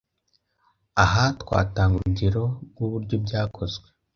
Aha twatanga urugero rw’uburyo byakozwe